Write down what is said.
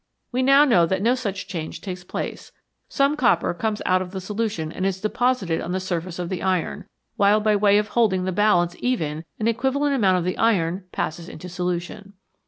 We know now that no such change takes place : some copper comes out of the solution and is deposited on the surface of the iron, while by way of holding the balance even, an equivalent amount of the iron passes into solution.